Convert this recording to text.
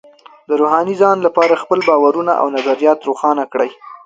د روحاني ځان لپاره خپل باورونه او نظریات روښانه کړئ.